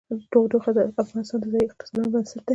تودوخه د افغانستان د ځایي اقتصادونو بنسټ دی.